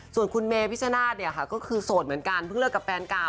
ส่วนคุณเมพิชนาธิ์เนี่ยค่ะก็คือโสดเหมือนกันเพิ่งเลิกกับแฟนเก่า